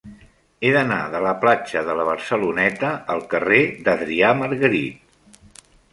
He d'anar de la platja de la Barceloneta al carrer d'Adrià Margarit.